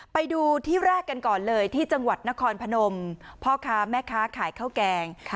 ไปดูที่แรกกันก่อนเลยที่จังหวัดนครพนมพ่อค้าแม่ค้าขายข้าวแกง